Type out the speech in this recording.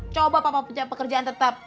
coba papa pekerjaan tetap